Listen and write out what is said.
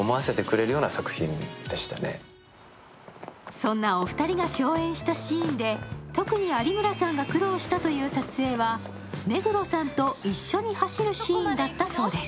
そんなお二人が共演したシーンで、特に有村さんが苦労したという撮影は、目黒さんと一緒に走るシーンだったそうです。